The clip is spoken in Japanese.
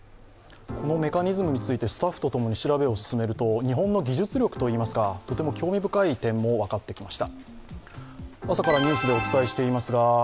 このメカニズムについてスタッフと共に調べを進めていくと日本の技術力といいますか、とても興味深い点も分かってきました。